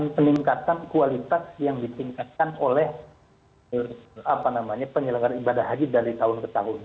peningkatan kualitas yang ditingkatkan oleh penyelenggara ibadah haji dari tahun ke tahun